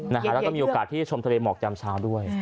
แล้วก็มีโอกาสที่ชมทะเลหมอกยามเช้าด้วย